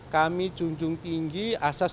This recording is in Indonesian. kami junjung tinggi asas